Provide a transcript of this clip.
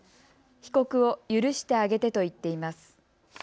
被告を許してあげてと言っています。